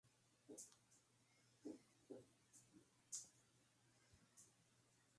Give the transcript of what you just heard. Sin embargo, su opinión fue ignorada.